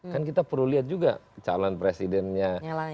kan kita perlu lihat juga calon presidennya